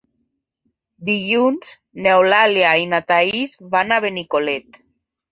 Dilluns n'Eulàlia i na Thaís van a Benicolet.